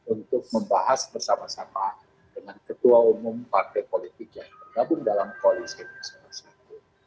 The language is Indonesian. untuk membahas bersama sama dengan ketua umum partai politik yang bergabung dalam koalisi indonesia bersatu